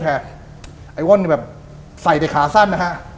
ไอ้ว่นนี่แบบใส่ในขาสั้นนะฮะ